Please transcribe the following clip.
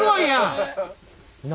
何？